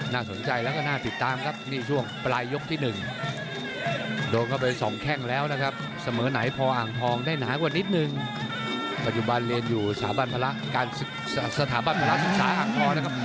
ปัจจุบันเรียนอยู่สถาบันภรร้าศึกษาอังคลนะครับ